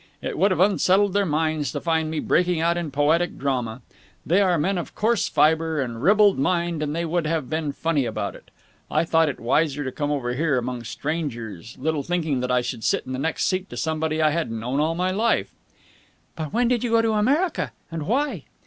It would have unsettled their minds to find me breaking out in poetic drama. They are men of coarse fibre and ribald mind and they would have been funny about it. I thought it wiser to come over here among strangers, little thinking that I should sit in the next seat to somebody I had known all my life." "But when did you go to America? And why?"